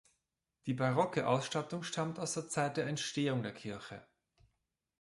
Die barocke Ausstattung stammt aus der Zeit der Entstehung der Kirche.